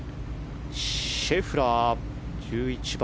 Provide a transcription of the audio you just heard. シェフラー、１１番。